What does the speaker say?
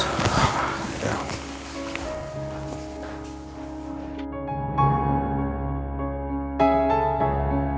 mas aku mau ke rumah